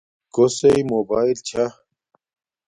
کوسݵ موباݵل چھا